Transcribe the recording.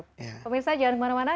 pemirsa jangan kemana mana